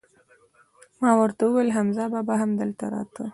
ما ور ته وویل: حمزه بابا هم دلته راته؟